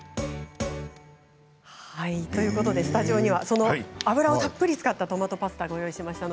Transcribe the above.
スタジオには、油をたっぷり使ったトマトパスタをご用意しました。